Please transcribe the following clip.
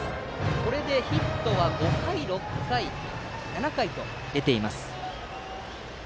これでヒットは５回、６回、７回と出ています。